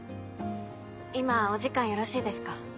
今お時間よろしいですか？